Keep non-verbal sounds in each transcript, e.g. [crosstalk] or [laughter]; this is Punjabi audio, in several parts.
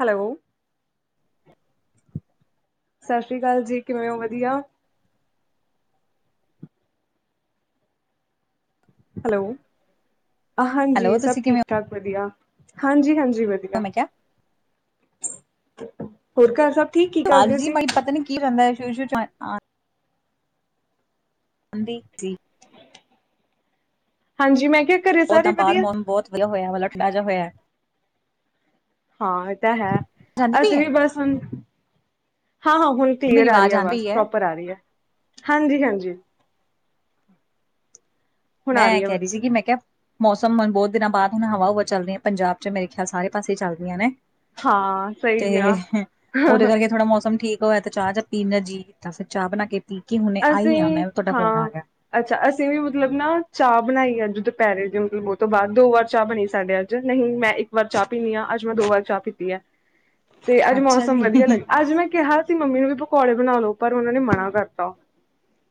ਹੈਲੋ? ਸਾ ਸ੍ਰੀ ਕਾਲ ਜੀ। ਕਿਵੇਂ ਹੋ ਵਧੀਆ? ਹੈਲੋ, ਅ ਹੈਲੋ ਹਾਂਜੀ ਸਭ ਤੁਸੀਂ ਕਿਵੇਂ ਠੀਕ-ਠਾਕ ਵਧੀਆ। ਹਾਂਜੀ ਹਾਂਜੀ ਵਧ ਹੋ ਧੀਆ, ਮੈਂ ਕਿਹਾ ਹੋਰ ਘਰ ਸਭ ਠੀਕ? ਕੀ ਕਰਦੇ [unintelligible] ਸੀ? ਮਈ ਪਤਾ ਨੀ ਕੀ ਰੈੰਦੈ [unintelligible] ਆਂਦੀ ਤੀ ਹਾਂਜੀ, ਮੈਂ ਕਿਐ ਓਦਾ ਬਾਦ ਮੋਮ ਬੌਤ ਵਲੈ ਹੋਯੈ, ਵਲਠ ਲਾਜਾ ਹੋਯੈ। ਹਾਂ ਐ ਤਾਂ ਹੈ ਜਾਂਦੀ ਪਈ ਅਸੀਂ ਹੈ ਵੀ ਬਸ ਹੁਣ ਹਾਂ-ਹਾਂ ਹੁਣ ਮੇਰੀ ਕਲੀਅਰ ਆ ਰੀ ਆਵਾਜ਼ ਐ ਆਂਦੀ ਅਵਾਜ ਪਈ ਹੈ ਪ੍ਰੋਪਰ ਆ ਰੀ ਐ। ਹਾਂਜੀ- ਹਾਂਜੀ ਹੁਣ ਮੈਂ ਆ ਐ ਰਹੀ ਕੈ ਹੈ। ਰੀ ਸੀਗੀ ਮੈਂ ਕਿਆ ਮੌਸਮ ਮਣ ਬਤ ਦਿਨਾਂ ਬਾਦ ਹੁਣ ਹਵਾ-ਹੂਵਾ ਚੱਲ ਰੀ ਹੈ ਪੰਜਾਬ 'ਚ ਮੇਰੇ ਖਿਆਲ ਸਾਰੇ ਪਾਸੇ ਚੱਲ ਰਹੀਆਂ ਨੇ। ਹਾਂ ਸਹੀ ਆ, ਤੇ ਓਦੇ ਕਰਕੇ ਥੋੜਾ ਮੌਸਮ ਠੀਕ ਤੋ ਐ ਤੇ ਚਾਹ ਜਾਂ ਪੀਣ ਦਾ ਜੀਅ ਕੀਤਾ ਸੀ ਚਾਹ ਬਣਾ ਕੇ ਪੀ ਕੇ ਹੁਣੇ ਆਈ ਆਂ ਅਸੀਂ ਮੈਂ ਤੁਹਾਡਾ ਫੋਨ ਆ ਹਾਂ ਗਿਆ। ਅੱਛਾ ਅਸੀਂ ਵੀ ਮਤਲਬ ਨਾ ਚਾਹ ਬਣਾਈ ਅੱਜ ਦੁਪਿਹਰੇ ਜੋ ਦੋ ਬੌ ਤੋ ਬਾਦ ਦੋ ਵਾਰ ਚਾਹ ਬਣੀ ਸਾਡੇ ਅੱਜ ਜ ਨਹੀਂ ਮੈਂ ਇੱਕ ਵਾਰ ਚਾਹ ਪੀਨੀ ਆਂ ਅੱਜ ਮੈਂ ਦੋ ਵਾਰ ਚਾਹ ਪੀਤੀ ਐ। ਤੇ ਅੱਜ ਅੱਛਾ ਮੌਸਮ ਜੀ ਵਧੀਆ ਲੱਗ ਅੱਜ ਮੈਂ ਕਿਹਾ ਸੀ ਮੰਮੀ ਨੂੰ ਬੀ ਪਕੌੜੇ ਬਣਾ ਲਓ ਪਰ ਉਨਾਂ ਨੇ ਮਨਾ ਕਰਤਾ।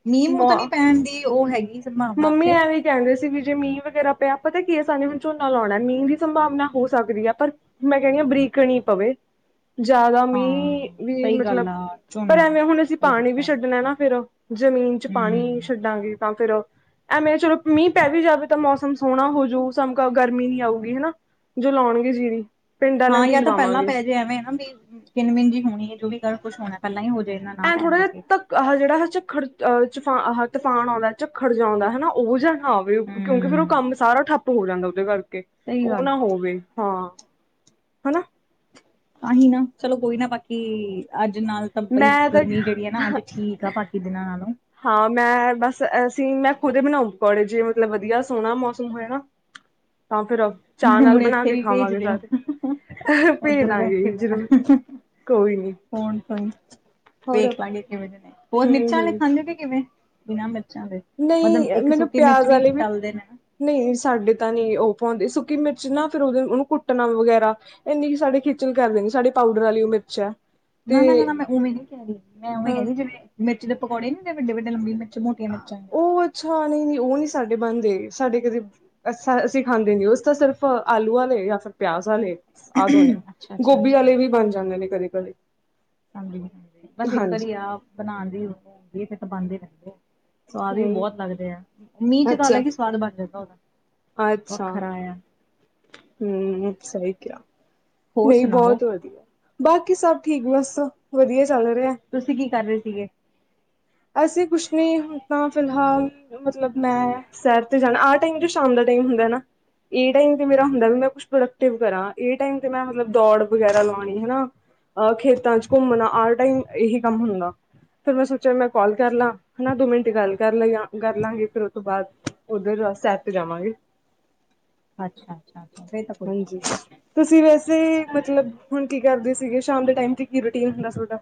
ਮੀਂਹ ਮੂੰਹ ਮੋ ਤੇ ਨੀ ਪੈਣ ਦੀ ਓਹ ਹੈਗੀ ਸੰਭਾਵਨਾ ਮੰਮੀ ਐਥੇ ਐਵੇਂ ਕਹਿੰਦੇ ਸੀ ਵੀ ਜੇ ਮੀਂਹ ਵਗੈਰਾ ਪਿਆ ਪਤਾ ਕੀ ਏ ਸਾਨੂੰ ਵੀ ਚੌਂਨਾ ਲਾਉਣਾ ਮੀਂਹ ਦੀ ਸੰਭਾਵਨਾ ਹੋ ਸਕਦੀ ਆ ਪਰ ਮੈਂ ਕਹਿਣੀ ਆ ਬਰੀਕ ਕਣੀ ਪਵੇ। ਜਿਹਦਾ ਹਾਂ ਮੀਂਹ ਵੀ ਸਹੀ ਗੱਲ ਮਤਲਬ ਆ ਪਰ ਝੋਨਾ ਐਵੇਂ ਹੁਣ ਅਸੀਂ ਉਹ ਪਾਣੀ ਵੀ ਦਿੱਤਾ। ਛੱਡਣਾ ਨਾ ਫੇਰ ਜ਼ਮੀਨ 'ਚ ਪਾਣੀ ਹੂੰ, ਛੱਡਾਂਗੇ ਤਾਂ ਫਿਰ ਐਵੇਂ ਚਲੋ ਮੀਂਹ ਪੈ ਵੀ ਜਾਵੇ ਤਾਂ ਮੌਸਮ ਸੋਹਣਾ ਹੋ ਜੂ ਸਮ ਕ ਗਰਮੀ ਨੀ ਆਊਗੀ ਹਨਾ। ਜੋ ਲੋਣ ਗੇ ਜੀਰੀ ਪਿੰਡ ਵਾਲਿਆਂ ਹਾਂ ਤੋਂ ਹੀ ਯਾ ਤਾਂ ਪਹਿਲਾਂ ਲਵਾਵਾਂਗੇ। ਪੈ ਜੇ ਐਵੇਂ ਨਾ ਮੀਂਹ ਕਿੰਨ-ਮਿੰਨ ਜੀ ਹੋਣੀ ਏ ਜੋਵੀ ਗੱਲ ਕੁਛ ਹੋਣੈ ਪਹਿਲਾਂ ਹੀ ਹੋ ਜੇ। ਐਂ ਥੋੜ੍ਹਾ ਜਾ ਧੱਕ ਆਹ ਜੇੜਾ ਝੱਖੜ ਹ ਚੂਫਾ ਤੂਫਾਨ ਆਉਂਦੈ ਝੱਖੜ ਜਾ ਆਉਂਦੈ ਹਨਾ ਓਹ ਜਿਹਾ ਹਾਂ ਵੀ ਕਿਉਂਕਿ ਫਿਰ ਉਹ ਹੂੰ। ਕੰਮ ਸਾਰਾ ਠੱਪ ਹੋ ਜਾਂਦਾ ਉਹਦੇ ਕਰਕੇ ਸਹੀ ਉਹ ਗੱਲ ਨਾ ਹੋ ਆ। ਹੋਵੇ ਹਾਂ ਹਨਾ। ਆਹੀ ਨਾ ਚਲੋ ਕੋਈ ਨਾ ਬਾਕੀ ਅੱਜ ਨਾਲ ਤਾਂ ਬਈ ਮੈਂ ਤਾਂ ਗਰਮੀ ਜਿਹੜੀ ਹੈ ਨਾ ਅੱਜ ਠੀਕ ਤਾ ਬਾਕੀ ਦਿਨਾਂ ਨਾਲੋਂ ਹਾਂ ਮੈਂ ਬਸ ਅਸੀਂ ਮੈਂ ਖੁਦ ਪਕੌੜੇ ਜੇ ਮਤਲਬ ਵਧੀਆ ਸੋਹਣਾ ਮੌਸਮ ਹੋਇਆ ਨਾ। ਤਾਂ ਫਿਰ ਚਾਹ ਮਾੜੇ ਨਾਲ ਮੁੜੇ ਬਣਾ ਇੱਥੇ ਕੇ ਵੀ ਭੇਜ ਖਾਵਾਂਗੇ ਦੇਉ। ਸਾਰੇ [inaudible] ਭੇਜ ਉਧਰ ਦਾਂਗੇ ਬੈਠੇ ਬਾਹਰ ਜ਼ਰੂਰ [inaudible] ਕੋਈ ਨੀ ਫੋਨ ਕੋਈ ਹੋਰ ਵੇਖ ਲਵਾਂਗੇ ਕਿਵੇਂ ਦੇ ਨੇ ਹੋਰ ਹੂੰ ਮਿਰਚਾਂ ਆਲੇ ਹੂੰ ਖਾਂਦੇ ਤੇ ਕਿਵੇਂ ਬਿਨਾਂ ਮਿਰਚਾਂ ਦੇ ਨਹੀਂ ਮਤਲਬ ਇੱਕ ਮੈਨੂੰ ਸੁੱਕੀ ਮਿਰਚ ਪਿਆਜ ਵੀ ਵਾਲੇ ਤਲਦੇ ਨੇ। ਨਹੀਂ ਸਾਡੇ ਤਾਂ ਨਹੀਂ ਉਹ ਪਾਉਂਦੇ ਸੁੱਕੀ ਮਿਰਚ ਨਾ ਫਿਰ ਉਹਦੇ ਉਹਨੂੰ ਕੁੱਟਣਾ ਵਗੈਰਾ ਇੰਨੀ ਕਿ ਸਾਡੇ ਖੇਚਲ ਕਰਦੇ ਨੇ ਸਾਡੀ ਪਾਊਡਰ ਵਾਲੀ ਉਹ ਮਿਰਚ ਹੈ। ਤੇ ਨਾ -ਨਾ ਮੈਂ ਉਵੇਂ ਨੀ ਕਹਿ ਰਹੀ ਮੈਂ ਉਵੇਂ ਹਾਂ ਕਹਿ ਰਹੀ ਜਿਹੜੀ ਮਿਰਚ ਦੇ ਪਕੌੜ ਨੀ ਤੇੇ ਵੱਡੇ ਵੱਡੇ ਲੰਬੀ ਮਿਰਚ ਮੋਟੀਆਂ ਮਿਰਚਾਂ ਦੇ ਉਹ ਅੱਛਾ ਨਹੀਂ- ਨਹੀਂ ਉਹ ਨੀ ਸਾਡੇ ਬਣਦੇ ਸਾਡੇ ਕਦੇ ਅ ਅਸੀਂ ਖਾਂਦੇ ਨੇ ਉਸ ਤਾਂ ਸਿਰਫ ਆਲੂਆਂ ਨੇ ਜਾਂ ਫਿਰ ਪਿਆਜਾਂ ਅਲੇ ਆ ਕੌਣ ਏ ਅੱਛਾ ਅੱਛਾ ਗੋਭੀ ਅੱਛਾ ਵਾਲੇ ਵੀ ਬਣ ਹਾਂਜੀ ਜਾਂਦੇ ਨੇ ਕਦੇ- ਕਦੇ ਹਾਂਜੀ ਬਸ ਇੱਕ ਵਾਰੀ ਹਾਂਜੀ ਹੀ ਆਪ ਬਣਾਣ ਦੀ ਏ ਬਣਾਦੇ ਰਹਿੰਦੇ ਆ ਸਵਾਦ ਵੀ ਹਮ ਬਹੁਤ ਲੱਗਦੇ ਆ ਮੀਂਹ 'ਚ ਤਾਂ ਅੱਛਾ ਅਲੱਗ ਈ ਸਵਾਦ ਬਣ ਜਾਂਦੈ ਉਦਾ ਅੱਛਾ ਹੂੰ ਸਹੀ ਕਿਹਾ ਹੋਰ ਨਹੀਂ ਸੁਣਾਓ ਬਹੁਤ ਵਧੀਆ ਬਾਕੀ ਸਭ ਠੀਕ ਬਸ ਵਧੀਆ ਚੱਲ ਰਿਹਾ। ਤੁਸੀਂ ਕੀ ਕਰ ਰੇ ਸੀਗੇ। ਅਸੀ ਕੁਛ ਨੀ ਤਾ ਫਿਲਹਾਲ ਮਤਲਬ ਮੈਂ ਸੈਰ ਤੇ ਜਾਣਾ ਆਹ ਟਾਈਮ ਜੋ ਸ਼ਾਮ ਦਾ ਟਾਈਮ ਹੁੰਦਾ ਨਾ ਇਹ ਟਾਇਮ ਤੇ ਮੇਰਾ ਹੁੰਦਾ ਮੈਂ ਕੁ ਪ੍ਰੋਕਟਿਵ ਕਰਾਂ ਇਹ ਟਾਇਮ ਤੇ ਮੈਂ ਮਤਲਬ ਦੌੜ ਵਗੈਰਾ ਲਾਉਣੀ ਹਨਾ। ਅਹ ਖੇਤਾਂ 'ਚ ਘੁੰਮਣਾ ਆਰ ਟਾਈਮ ਇਹੀ ਕੰਮ ਹੁੰਦਾ ਫਿਰ ਮੈਂ ਸੋਚਿਆ ਮੈਂ ਕਾਲ ਕਰ ਲਾਂ ਹਨਾ ਦੋ ਮਿੰਟ ਗੱਲ ਕਰ ਲ ਕਰ ਲਾਂਗੇ ਫਿਰ ਉਹ ਤੋਂ ਬਾਅਦ ਉਧਰ ਸੈਰ ਤੇ ਜਾਵਾਂਗੇ। ਅੱਛਾ-ਅੱਛਾ- ਅੱਛਾ ਫਿਰ ਤੇ ਕੋਈ ਹਾਂਜੀ ਗੱਲ ਤੁਸੀਂ ਵੈਸੇ ਮਤਲਬ ਹੁਣ ਕੀ ਕਰਦੇ ਸੀਗੇ। ਸ਼ਾਮ ਦੇ ਟਾਈਮ ਤੇ ਕੀ ਰੂਟੀਨ ਹੁੰਦਾ ਤੁਹਾਡਾ।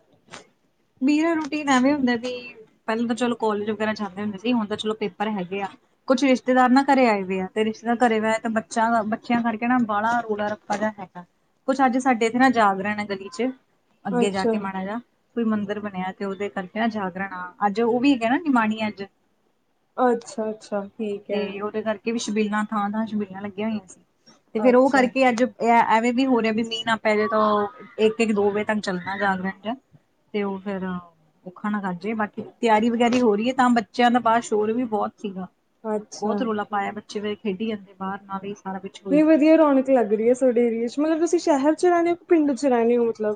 ਮੇਰਾ ਰੂਟੀਨ ਐਵੇਂ ਹੁੰਦਾ ਬਾਈ। ਪਹਿਲਾਂ ਤਾਂ ਚਲੋ ਕੋਲਜ ਵਗੈਰਾ ਜਾਂਦੇ ਹੁੰਦੇ ਸੀ ਹੁਣ ਤਾਂ ਚਲੋ ਪੇਪਰ ਹੈਗੇ ਆ। ਕੁਛ ਰਿਸ਼ਤੇਦਾਰ ਨਾ ਘਰੇ ਆਏ ਹੋਏ ਆ ਤੇ ਰਿਸ਼ਤੇਦਾਰ ਘਰੇ ਤੇ ਬੱਚਾ ਬੱਚਿਆਂ ਕਰਕੇ ਨਾ ਬਾਹਲਾ ਰੋਲਾ ਰੱਪਾ ਜਿਹਾ ਹੈਗਾ। ਕੁੱਛ ਅੱਜ ਸਾਡੇ ਇੱਥੇ ਨਾ ਜਾਗਰਣ ਹੈ ਗਲੀ ਚ ਅੱਗੇ ਜਾ ਕੇ ਅੱਛਾ ਮਾ ਹੈ ਨਾ ਕੋਈ ਮੰਦਿਰ ਬਣਿਆ ਤੇ ਉਹਦੇ ਕਰਕੇ ਨਾ ਜਾਗਰਣ ਆ ਅੱਜ ਉਹ ਵੀ ਹੈਗਾ ਨਾ ਨਿਮਾਣੀ ਅੱਜ। ਅੱਛਾ ਅੱਛਾ ਅੱਛਾ ਠੀਕ ਹੈ ਤੇ ਉਹਦੇ ਕਰਕੇ ਵੀ ਛਬੀਲਾਂ ਥਾਂ ਥਾਂ ਛਬੀਲਾਂ ਲੱਗੀਆਂ ਹੋਈਆਂ ਸੀ ਤੇ ਫੇਰ ਉਹਦੇ ਅੱਛਾ ਕਰਕੇ ਅੱਜ। ਇਹ ਐਵੇਂ ਵੀ ਹੋ ਰਿਹਾ ਵੀ ਮਹੀਨਾ ਪਹਿਲੇ ਤੋਂ ਇੱਕ ਇੱਕ ਦੋ ਵਜੇ ਤੱਕ ਚੱਲਣਾ ਜਾਦਾ। ਤੇ ਉਹ ਫੇਰ [unintelligible] ਖਣ ਕਰ ਜੇ ਬਾਕੀ ਤਿਆਰੀ ਵਿਆਰੀ ਹੋ ਰਹੀ ਹੈ ਤਾਂ ਬੱਚਿਆਂ ਦਾ ਬਾਅਦ ਸ਼ੋਰ ਵੀ ਬਹੁਤ ਸੀਗਾ। ਅੱਛਾ ਬਹੁਤ ਰੌਲਾ ਨਹੀਂ ਪਾਇਆ। ਬੱਚੇ ਵ ਖੇਡੀ ਜਾਂਦੇ ਬਾਹਰ ਨਾ ਵੀ ਸਾਰਾ ਕੁਛ ਹੋਈ। ਵਧੀ ਰੌਕ ਲੱਗ ਰਹੀ ਹੈ। ਤੁਹਾਡੇ ਏਰੀਏ ਚ ਮਤਲਬ ਤੁਸੀਂ ਸ਼ਹਿਰ ਚ ਰਹਿਦੇ ਹੋ ਕਿ ਪਿੰਡ ਚ ਰਹਿੰਦੇ ਹੋ ਮਤਲਬ।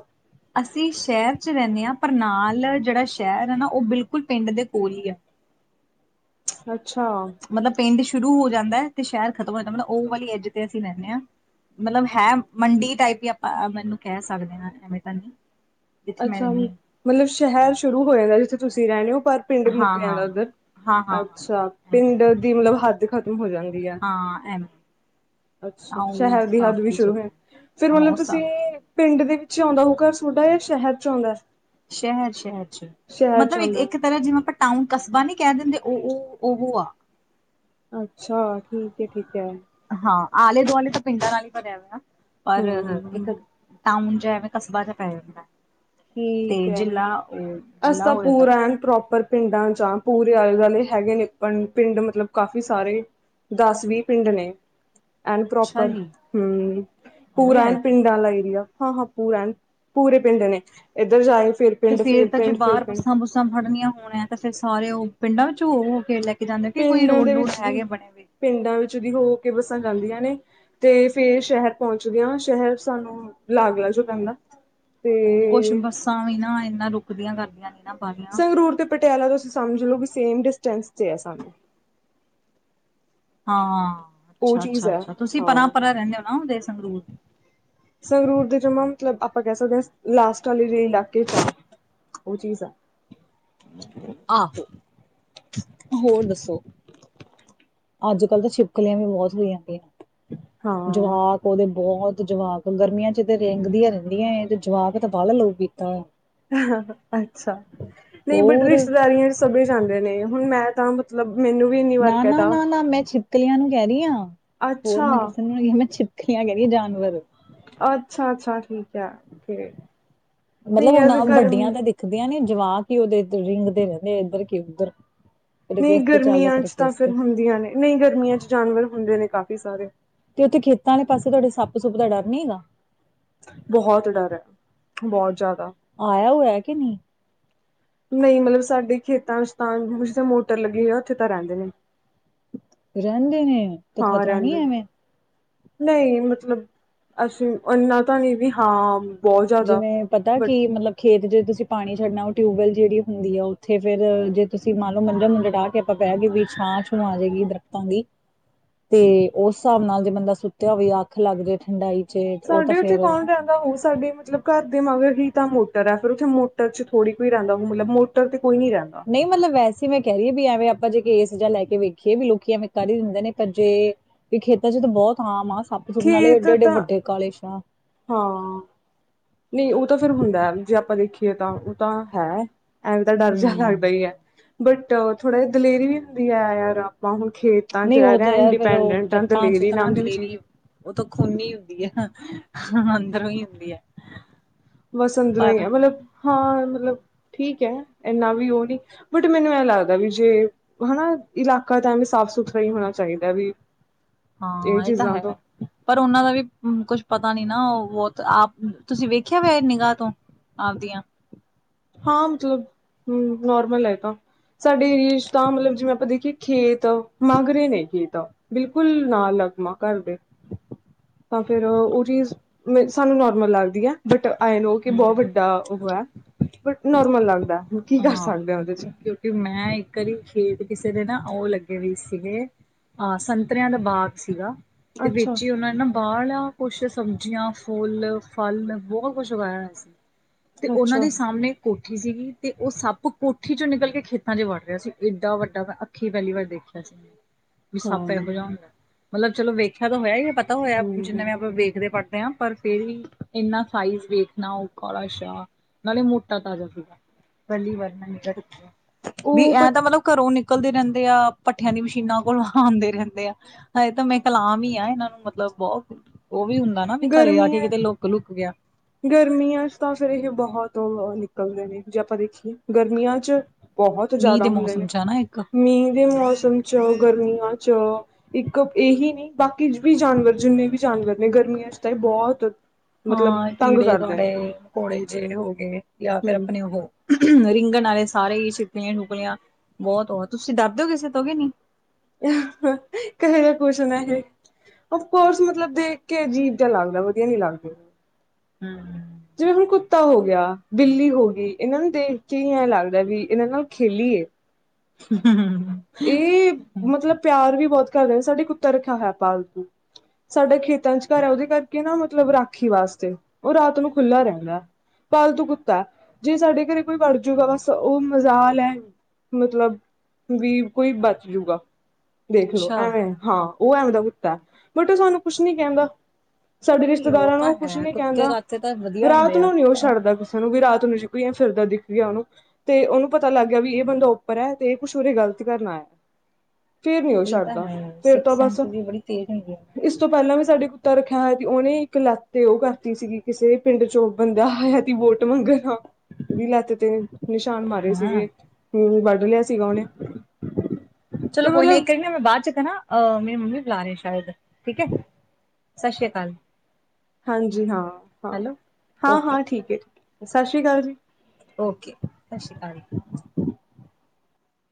ਅਸੀਂ ਸ਼ਹਿਰ ਚ ਰਹਿੰਦੇ ਹਾਂ। ਪਰ ਨਾਲ ਜਿਹੜਾ ਸ਼ਹਿਰ ਹੈ ਨਾ ਉਹ ਬਿਲਕੁਲ ਪਿੰਡ ਦੇ ਕੋਲ ਹੀ ਆ। ਅੱਛਾ। ਮਤਲਬ ਪਿੰਡ ਸ਼ੁਰੂ ਹੋ ਜਾਂਦਾ ਤੇ ਸ਼ਹਿਰ ਖ਼ਤਮ ਹੋ ਜਾਂਦਾ। ਮਤਲਬ ਉਹ ਵਾਲੀ ਜਗ੍ਹਾ ਤੇ ਅਸੀਂ ਰਹਿੰਦੇ ਹਾਂ। ਮਤਲਬ ਹੈ ਮੰਡੀ ਟਾਈਪ ਵੀ ਆਪਾਂ ਮੈਨੂੰ ਕਹਿ ਸਕਦੇ ਹਾਂ ਐਵੇਂ ਤਾਂ ਨਹੀਂ। ਜਿੱਥੇ ਮੈਂ ਅੱਛਾ ਰਹਿੰਦੀ ਮਤਲਬ ਸ਼ਹਿਰ ਸ਼ੁਰੂ ਹੋ ਜਾਂਦਾ ਜਿੱਥੇ ਤੁਸੀਂ ਰਹਿੰਦੇ ਹੋ ਪਰ। ਪਿੰਡ ਮੁੱਕ ਹਾਂ ਜਾਂਦਾ ਹਾਂ ਉੱਧਰ ਹਾਂ ਹਾਂ ਹਾਂ ਅੱਛਾ ਹਾਂ ਐਵੇਂ। ਪਿੰਡ ਦੀ ਮਤਲਬ ਹੱਦ ਖਤਮ ਹੋ ਜਾਂਦੀ ਹੈ। ਹਾਂ ਐਵੈ। ਅੱਛਾ ਸ਼ਹਿਰ ਦੀ ਹੱਦ ਵੀ ਸ਼ੁਰੂ ਜਗ੍ਹਾ ਹੈ ਫਿਰ ਹਾਂ ਉਹ ਮਤਲਬ ਤੁਸੀਂ। ਹਿਸਾਬ ਪਿੰਡ ਦੇ ਵਿੱਚ ਆਉਂਦਾ ਉਹ ਘਰ ਤੁਹਾਡਾ ਜਾਂ ਸ਼ਹਿਰ ਚ ਆਉਂਦਾ ਹੈ। ਸ਼ਹਿਰ, ਸ਼ਹਿਰ ਚ ਮਤਲਬ ਇੱਕ ਆਉਂਦਾ ਇੱਕ। ਤਰਾ ਜਿਵੇਂ ਆਪਾਂ ਟਾਊਨ ਕਸਬਾ ਨੀ ਕੈ ਦਿੰਦੇ, ਓ ਓ ਓਹੋ ਆ ਅੱਛਾ, ਠੀਕ ਏ, ਠੀਕ ਐ। ਹਾਂ, ਆਲੇ-ਦੁਆਲੇ ਤਾਂ ਪਿੰਡਾਂ ਨਾਲ ਈ ਭਰਿਆ ਰੈਨਾ ਪਰ ਹਮ ਇੱਕ ਟਾਊਨ ਜਾ ਐਵੇਂ ਕਸਬਾ ਜਾ ਪੈ ਜਾਂਦਾ ਐ ਠੀਕ ਐ, ਅਸੀ ਜਿਲਾ ਤਾਂ ਹੋ ਜਾਂਦਾ ਪੂਰਾ ਵਾ ਐਨ ਪ੍ਰੋਪਰ ਪਿੰਡਾਂ ਚਾਂ ਪੂਰੇ ਆਲੇ-ਦੁਆਲੇ ਹੈਗੇ ਨੇ ਪਨ ਪਿੰਡ ਮਤਲਬ ਕਾਫੀ ਸਾਰੇ ਦਾੱਸ-ਵੀਹਪਿੰਡ ਨੇ ਐਨ ਅੱਛਾ ਪ੍ਰੋਪਰ, ਜੀ ਹੂੰ, ਨਾਲੇ ਪੂਰਾ ਆਏ ਐਨ ਤਾਂ ਪਿੰਡਾ ਆਲਾ ਏਰੀਆ, ਹਾਂ-ਹਾਂ ਪੂਰਨ ਪੂਰੇ ਪਿੰਡ ਨੇ ਇੱਧਰ ਸਾਰੇ ਫਿਰ ਤੇ ਪਿੰਡ ਫੇਰ ਫਿਰ ਤਾਂ ਜੇ ਪਿੰਡ ਫਿਰ ਬਾਰ ਪਿੰਡ ਬੱਸਾਂ-ਬੁੱਸਾਂ ਫੜਨੀਆਂ ਹੋਨ ਐ ਤੇ ਫੇਰ ਸਾਰੇ ਓ ਪਿੰਡਾਂ ਵਿੱਚ ਹੋ-ਹੋ ਕੇ ਲੈ ਕੇ ਇਨਾਂ ਦੇ ਵੀ ਕੋਈ ਪਿੰਡਾਂ ਦੇ ਰੋਡ-ਰੁਡ ਵਿੱਚ ਹੈਗੇ ਦੀ ਬਣੇ। ਹੋਏ ਪਿੰਡਾਂ ਵਿੱਚ ਦੀ ਹੋ-ਹੋ ਕੇ ਬੱਸਾਂ ਜਾਂਦੀਆਂ ਨੇ, ਤੇ ਫੇਰ ਸ਼ਹਿਰ ਪਹੁੰਚਦੀਆਂ। ਸ਼ਹਿਰ ਸਾਨੂੰ ਲੱਗ-ਲੱਗ ਜੋ ਪੈਂਦਾ। ਕੱਸ਼ ਤੇ ਬੱਸਾਂ ਵੀ ਨਾ, ਇੰਨਾ ਰੁਕਦੀਆਂ ਕਰਦੀਆਂ ਨੀ। ਨਾ ਬਾਹਲੀਆਂ ਸੰਗਰੂਰ ਤੇ ਪਟਿਆਲਾ ਤੂਸੀ ਸਮਝ ਲੋ, ਵੀ ਸੇਮ ਡਿਸਟੈਂਸ ਤੇ ਐ ਸਾਨੂੰ। ਹਾਂ, ਉਹ ਅੱਛਾ, ਚੀਜ਼ ਅੱਛਾ, ਹੈ ਅੱਛਾ, ਤੂਸੀ ਹਾਂ ਪਰਾਂ-ਪਰਾਂ ਰੈਂਨੇ ਓ ਨਾ, ਉਦੇ ਸੰਗਰੂਰ। ਸੰਗਰੂਰ ਦੇ ਜਮਾ ਮਤਲਬ ਆਪਾਂ ਕਹਿ ਸਕਦੇ ਹਾਂ। ਲਾਸਟ ਵਾਲੇ ਜਿਹੜ ਇਲਾਕੇ ਚ ਆ ਉਹ ਚੀਜ਼ ਆ। ਆਹੋ, ਹੋਰ ਦੱਸੋ? ਅੱਜ ਕੱਲ੍ਹ ਤਾਂ ਛਿਪਲੀਆਂ ਵੀ ਬਹੁਤ ਹੋਈ ਪਈਆਂ। ਹਾਂ। ਜਵਾਕ ਓਦੇ ਬੋਹਤ ਜਵਾਕ, ਗਰਮੀਆਂ ਚ ਤੇ ਰੇਂਗਦੀਆਂ ਰੈਂਦੀਐਂ ਤੇ ਜਵਾਕ ਤਾਂ ਵਾੱਲ ਲੋਗੀ [unintelligible] [unintelligible] ਅੱਛਾ, ਨਈ ਬਟ ਹੋਰ ਰਿਸ਼ਤੇਦਾਰੀਆਂ ਸਭੇ ਜਾਂਦੇ ਨੇ, ਹੁਨ ਮੈਂ ਤਾਂ ਮਤਲਬ ਮੈਨੂੰ ਵੀਨ ਨਾ, ਨਾ, ਨਾ-ਨਾ ਮੈਂ ਛਿਪਕਲੀਆਂ ਨੂੰ ਕੈ ਰੀ ਆਂ, ਹੋਰ ਅੱਛਾ, ਮੈਂ ਕਿਸੇ ਨੂੰ ਨੀ, ਹਾਂ ਮੈਂ ਛਿਪਕਲੀਆਂ ਕੈ ਰੀ ਆ ਜਾਨਵਰ ਅੱਛਾ-ਅੱਛਾ, ਠੀਕ ਐ ਫੇਰ ਮਲਬ ਓ ਨਾ ਵੱਡੀਆਂ ਤਾਂ ਦਿਖਦੀਆਂ ਨੇ, ਜਵਾਕ ਈ ਓਦੇ ਰਿੰਗਦੇ ਰੈਂਦੇ ਐੱਧਰ ਕੀ ਉੱਧਰ ਕਦੇ ਨਈ ਕਿਸ ਤੇ ਚੱਲ ਰਿਹਾ ਗਰਮੀਆਂ ਕਦੇ ਚ ਤਾਂ ਕਿਸ ਫੇਰ ਤੇ ਹੁੰਦੀਆਂ ਨੇ, ਨਈ ਗਰਮੀਆਂ ਚ ਜਾਨਵਰ ਹੁੰਦੇ ਨੇ ਕਾਫੀ ਸਾਰੇ ਤੇ ਓਥੇ ਖੇਤਾਂ ਆਲੇ ਪਾਸੇ ਤੋਆਡੇ ਸੱਪ ਸੁੱਪ ਦਾ ਡਰ ਨੀ ਹੈਗਾ। ਬੋਹਤ ਡਰ ਐ, ਬੌਤ ਜੈਦਾ। ਆਇਆ ਹੋਇਆ ਕਿ ਨੀ। ਨਈ ਮਤਲਬ ਸਾਡੇ ਖੇਤਾਂ ਵਿੱਚ ਤਾਂ ਡਿਜੀਟਲ ਮੋਟਰ ਲੱਗੀ ਆ ਓਥੇ ਤਾਂ ਰੈਂਦੇ ਨੇ। ਰੈਂਦੇ ਨੇ, ਤੇ ਹਾਂ ਖਤਰਾ ਨੀ ਰਹਿੰਦੇ ਨੇ। ਐਵੇਂ? ਨਹੀਂ ਮਤਲਬ ਅਸੀ ਅੱਨਾ ਤਾਂ, ਨਈ ਵੀ ਹਾਂ ਬਹੁਤ ਜ਼ਿਆਦਾ ਜਿਵੇਂ ਪਤਾ ਬਟ ਕਿ, ਮਲਬ ਖੇਤ ਜੇ ਤੂਸੀ ਪਾਣੀ ਛੱਡਨੈ ਓ ਟਿਊਬਵੈਲ ਜੇੜੀ ਹੁੰਦੀ ਐ, ਉਥੇ ਫੇਰ ਜੇ ਤੂਸੀ ਮਾੰਨ ਲੋ, ਮੰਜਾ-ਮੁੰਜਾ ਡਾ ਕੇ ਅਪਾਂ ਕੈ ਕੇ ਵੀ ਛਾਂ-ਛੂੰ ਆ ਜੇਗੀ, ਦਰਖਤਾਂ ਦੀ। ਤੇ ਓਸ ਸ੍ਹਾਬ ਨਾਲ ਜੇ ਬੰਦਾ ਸੁੱਤੇਆ ਹੋਵੇ ਆੱਖ ਲਾੱਗ ਜੇ ਠੰਡਾਈ ਚ, ਤੇ ਓ ਤਾਂ ਫੇਰ ਤਾ ਓ ਸਾਡੇ ਮਤਲਬ ਘਾਰ ਦੇ ਮਗਰ ਹੀ ਤਾਂ ਮੋਟਰ ਐ, ਫਿਰ ਉਥੇ ਮੋਟਰ ਚ ਥੋੜੀ ਕੋਈ ਰੈਂਦਾ ਹੂੰ ਮਲਬ ਮੋ ਤਤ ਕੋਈ ਨੀ ਰੈਂਦਾ। ਨਹੀਂ ਮਤਲਬ ਵੈਸੇ ਮੈਂ ਕੈ ਰੀ ਏ ਵੀ ਐਵੇਂ ਆਪਾਂ ਜੇ ਕੇਸ ਜਾ ਲੈ ਕੇ ਵੇਖੀਏ, ਵੀ ਲੋਕੀ ਐਵੇਂ ਕਾਰ ਲੀਂਦਾ ਨਾ ਪਰ ਜੇ ਵੀ ਖੇਤਾਂ ਚ ਤੇ ਬੋਤ ਹ੍ਰਾਮ ਆ, ਸਾੱਪ-ਸੂਪ, ਨਾਲੇ ਖੇਤ ਏਡੇ-ਏਡੇ ਤਾਂ ਵੱਡੇ ਕਾਲੇ ਸ਼ਾ ਹਾਂ, ਨਈ ਉ ਤਾਂ ਫੇਰ ਹੁੰਦੈ, ਜੇ ਆਪਾਂ ਦੇਖੀਏ ਤਾਂ ਉ ਤਾਂ ਹੈ। ਐਵੇ ਤਾਂ ਡਾਰ ਜਾ ਲਾੱਗਦੈ ਹਮ ਈ ਐ ਬਟ ਥੋੜਾ ਜਾ ਦਲੇਰੀ ਵੀ ਆਂਦੀ ਐ, ਯਾਰ ਆਪਾਂ ਹੁਨ ਖੇਤ ਨੀ, ਉ ਤੇ ਰੈ ਫੇਰ ਓ ਜੱਟਾਂ ਚ ਤਨਾ ਨਾਮ ਦੀ ਵੀ ਚੀਜ਼ ਦਲੇਰੀ ਓ ਤਾਂ ਖੂਨੀ ਹੁੰਦੀ ਐ, ਅੰਦਰੋਂ ਈ ਹੁੰਦੀ ਐ। ਵਸ ਅਦਰੋਂ ਈ ਐ, ਮਲਬ ਹਾਂ, ਮਲਬ, ਠੀਕ ਐ, ਏਨਾਂ ਵੀ ਓ ਨੀ ਬਟ ਮੈਨੂੰ ਇਹ ਲੱਗਦਾ ਵੀ ਜੇ ਹਨਾ! ਇਲਾਕਾ ਤਾਂ ਵੀ ਸਾਫ਼ ਸੁਥਰਾ ਹੀ ਹੋਣਾ ਚਾਹੀਦਾ। ਵੀ ਹਾਂ ਇਹ ਤਾਂ ਚੀਜ਼ਾਂ ਹੈਗੈ। ਤੋਂ ਪਰ ਉਹਨਾਂ ਦਾ ਵੀ ਕੁਛ ਪਤਾ ਨੀ ਨਾ ੳਹ ਬਹੁਤ ਆਪ ਤੁਸੀਂ ਵੇਖਿਆ ਵ ਨਿਗਾਹ ਤੋਂ। ਆਪਦੀਆਂ ਹਾਂ, ਮਤਲਬ ਹਮ ਨੋਰਮਲ ਹੈ ਤਾਂ। ਸਾਡੇ ਏਰੀਏ ਚ ਤਾਂ ਮਤਲਬ ਜਿਵੇਂ ਆਪਾਂ ਦੇਖੀਏ ਖੇਤ ਮਗ ਰਹੇ ਨੇ ਖੇਤ। ਬਿਲਕੁਲ ਨਾਲ ਲੱਗਮਾ ਘਰ ਦੇ। ਤਾਂ ਫਿਰ ਉਹ ਚੀਜ਼ ਮ ਸਾਨੂੰ ਨੋਰਮਲ ਲੱਗਦੀ ਐ। ਬਟ ਆਈ ਨੋ ਕਿ ਹਮ ਬਹੁਤ ਵੱਡਾ ਉਹ ਹੈ ਬਟ ਨੋਰਮਲ ਲੱਗਦਾ। ਕੀ ਕਰ ਹਾਂ, ਸਕਦੇ ਆ ਉਹਦੇ ਚ ਕਿਉਂਕਿ ਮੈਂ ਇੱਕ ਵਾਰੀ ਖੇਤ ਕਿਸੇ ਦੇ ਨਾ ਉਹ ਲੱਗੇ ਵੀ ਸੀਗੇ। ਹਾਂ, ਸੰਤਤਰਿਆਂ ਦਾ ਬਾਗ ਸੀਗਾ ਤੇ ਅੱਛਾ ਵਿੱਚ ਹੀ ਉਹਨਾ ਨੇ ਨਾ ਬਾਹਲਾ ਕੁਛ ਸਬਜ਼ੀਆਂ ਫੁੱਲ ਫਲ ਬਹੁਤ ਕੁਛ ਉਗਾਇਆ ਹੋਇਆ ਸੀਂ। ਤੇ ਉਹਨਾਂ ਅੱਛਾ ਦੇ ਸਾਹਮਣੇ ਇਕ ਕੋਠੀ ਸੀਗੀ। ਤੇ ਉਹ ਸੱਪ ਕੋਠੀ ਚੋਂ ਨਿਕਲ ਕੇ ਖੇਤਾਂ ਚ ਵੜ ਰਿਹਾ ਸੀ ਏਡਾ ਵੱਡਾ ਮੈਂ ਅੱਖੀ ਪਹਿਲੀ ਵਾਰ ਦੇਖਿਆ ਸੀ। ਮੈਂ [inaudible] ਵੀ ਸੱਪ ਇਹੋ ਜਿਹਾ ਹੁੰਦਾ ਮਤਲਬ ਚਲੋ ਵੇਖਿਆ ਤਾਂ ਹੋਇਆ ਏ ਪਤਾ ਹੋਇਆ ਜਿੰਨੇ ਹਮ ਵੇਂ ਆਪਾਂ ਵੇਖਦੇ ਪੜ੍ਹਦੇ ਹਾਂ। ਪਰ ਫੇਰ ਵੀ ਇੰਨਾ ਸਾਈਜ਼ ਵੇਖਣਾ ਉਹ ਕਾਲਾ ਸ਼ਾਹ ਨਾਲੇ ਮੋਟਾ ਤਾਜ਼ਾ ਸੀਗਾ। ਪਹਿਲੀ ਵਾਰ ਨ ਵੀ ਉਹ ਪ ਐਂ ਤਾਂ ਮਤਲਬ ਘਰੋਂ ਨਿਕਲ। ਨਿਕਲਦੇ ਰੈਂਦੇ ਆ, ਪਠੇਆਂ ਦੀ ਮਸ਼ੀਨਾਂ ਕੋਲੋ ਆਂਦੇ ਰੈਂਦੇ ਆ। ਹਏ ਤਾਂ ਮੈਂ ਕਾਲ ਆਮ ਈ ਐ, ਏਨਾਂ ਨੂੰ ਮਤਲਬ ਬੋਤ ਓ ਵੀ ਹੁੰਦ ਨਾ ਵੀ ਘਰੇ ਆ ਕੇ ਗਰਮੀਆਂ ਕਿਤੇ ਲੋਕ-ਲੁੱਕ ਗਿਆ। ਗਰਮੀਆਂ ਚ ਤਾਂ ਫੇਰ ਏਹ ਬੋਹਤ ਓ ਨਿਕਲਦੇ ਨੇ, ਜੇ ਆਪਾਂ ਦੇਖੀਏ, ਗਰਮੀਆਂ ਚ ਬਹੁਤ ਮੀਂਹ ਜ਼ਿਆਦਾ ਦੇ ਹੁੰਦੇ ਨੇ ਮੌਸਮ 'ਚ ਨਾ ਇੱਕ ਮੀਂਹ ਦੇ ਮੌਸਮ ਚ ਗਰਮੀਆਂ ਚ। ਇੱਕ ਇਹੀ ਨਹੀਂ ਬਾਕੀ ਵੀ ਜਾਨਵਰ ਜਿੰਨੇ ਵੀ ਜਾਨਵਰ ਨੇ ਗਰਮੀਆਂ ਚ ਤਾਂ ਇਹ ਬਹੁਤ। ਮਤਲਬ ਹਾਂ ਤੰਗ ਕੀੜੇ, ਕਰਦੇ ਕਾਡੇ, ਘੋੜੇ ਜਿਹੇ ਹੋ ਗਏ ਜਾਂ ਫਿਰ ਹੂੰ ਆਪਣੇ ਉਹ। ਰੇਂਗਣ ਆਲੇ ਸਾਰੇ ਹੀ ਛਿੱਪਲੀਆਂ-ਛੁਪਕਲੀਆਂ ਬਹੁਤ ਉਹ ਤੁਸੀਂ ਡਰਦੇ ਹੋ ਕਿਸੇ ਤੋਂ ਕਿ ਨੀ। ਕਹੇ ਜਾ ਕੁੋਛਣ ਹੈ ਇਹ? ਅਫਕੋਰਸ ਮਤਲਬ ਦੇਖ ਕੇ ਅਜੀਬ ਜਿਹਾ ਲੱਗਦਾ ਵਧੀਆ ਨੀ ਲੱਗਦੇ। ਹਮ। ਜਿਵੇਂ ਹੁਣ ਕੁੱਤਾ ਹੋ ਗਿਆ, ਬਿੱਲੀ ਹੋ ਗਈ, ਇਹਨਾਂ ਨੂੰ ਦੇਖ ਕੇ ਐਂ ਲੱਗਦਾ ਵੀ ਇਹਨਾਂ ਨਾਲ ਖੇਲੀਏ। [unintelligible] ਇਹ ਮਤਲਬ ਪਿਆਰ ਵੀ ਬਹੁਤ ਕਰਦੇ ਸਾਡੇ ਕੁੱਤਾ ਰੱਖਿਆ ਹੋਇਆ ਪਾਲਤੂ ਸਾਡਾ ਖੇਤ ਤੰਚਕਾਰ ਹੈ ਉਹਦੇ ਕਰਕੇ ਨਾ ਮਤਲਬ ਰਾਖੀ ਵਾਸਤੇ ਉਹ ਰਾਤ ਨੂੰ ਖੁੱਲ੍ਹਾ ਰਹਿੰਦਾ। ਪਾਲਤੂ ਕੁੱਤੈ, ਜੇ ਸਾਡੇ ਘਰੇ ਕੋਈ ਵੜ ਜੂਗਾ ਬਸ ਉਹ ਮਜ਼ਾਲ ਐ ਮਤਲਬ ਵੀ ਕੋਈ ਬਚ ਜੂਗਾ ਦੇਖਲੋ ਅੱਛਾ ਐਵੇਂ। ਹਾਂ ਉਹ ਐਂਵੇ ਦਾ ਕੁੱਤਾ, ਬਟ ਉਹ ਸਾਨੂੰ ਕੁਛ ਨੀ ਕਹਿੰਦਾ। ਸਾਡੇ ਨਹੀਂ ਰਿਸ਼ਤੇਦਾਰਾਂ ਨੂੰ ਤਾਂ ਉਹ ਕੁਛ ਹੈ ਨੀ ਕੁੱਤੇ ਕਹਿੰਦਾ ਕਾਤੇ ਤਾਂ ਵਧੀਆ ਰਾਤ ਹੁੰਦੇ ਆ ਨੂੰ ਨੀ ੳਹ ਛੱਡਦਾ ਕਿਸੇ ਨੂੰ ਵੀ ਰਾਤ ਨੂੰ ਜੇ ਕੋਈ ਫਿਰਦਾ ਦਿਖ ਗਿਆ, ਉਹਨੂੰ ਤੇ ਉਹਨੂੰ ਪਤਾ ਲੱਗ ਗਿਆ ਵੀ ਇਹ ਬੰਦਾ ਉੱਪਰ ਹੈ ਤੇ ਇਹ ਕੁਛ ਉਰੇ ਗ਼ਲਤ ਕਰਨ ਆਇਆ। ਫਿਰ ਨਹੀਂ ਉਹ ਇਹ ਤਾਂ ਛੱਡਦਾ, ਹੈ ਫਿਰ ਤਾਂ ਸਿਕਸ ਸੈਂਸ ਬਸ ਵੀ ਬੜੀ ਤੇਜ਼ ਹੁੰਦੀ ਆ ਇਸ ਤੋਂ ਪਹਿਲਾਂ ਵੀ ਸਾਡੇ ਕੁੱਤਾ ਰੱਖਿਆ ਹੋਇਆ ਸੀ, ਉਹਨੇ ਇੱਕ ਲੱਤ ਤੇ ਉਹ ਕਰਤੀ ਸੀਗੀ ਕਿਸੇ ਪਿੰਡ ਚੋਂ ਬੰਦਾ ਆਇਆ ਤ ਵੋਟ ਮੰਗਣਾ ਉਹਦੀ ਲੱਤ ਤੇ, ਤੇ ਨਿਸ਼ਾਨ ਮਾਰੇ ਹਾਂ ਸੀਗੇ, ਵੱਢ ਲਿਆ ਸੀਗਾ ਉਹਨੇ ਤੇ ਚਲੋ ਕੋਈ ਨਾ ਇੱਕ ਮਤਲਬ ਕਰੀ ਨਾ ਮੈਂ ਬਾਅਦ ਚ ਕਰਾ ਅਹ ਮੇਰੀ ਮੰਮੀ ਬੁਲਾ ਰਹੇ ਸ਼ਾਇਦ ਠੀਕ ਹੈ ਸਤਿ ਸ੍ਰੀ ਅਕਾਲ'। ਹਾਂਜੀ ਹਾਂ, ਹਾਂ, ਹੈਲੋ ਹਾਂ, ਓਕੇ ਹਾਂ ਠੀਕ ਹੈ ਠੀਕ ਸਤਿ ਸ਼੍ਰੀ ਅਕਾਲ ਜੀ। ਓਕੇ, ਸਤਿ ਸ਼੍ਰੀ ਅਕਾਲ।